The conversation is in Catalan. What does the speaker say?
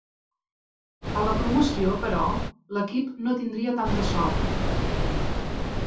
A la promoció, però, l'equip no tindria tanta sort.